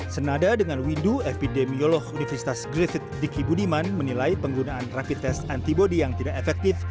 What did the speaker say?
senada dengan windu epidemiolog universitas griffith diki budiman menilai penggunaan rapid test antibody yang tidak efektif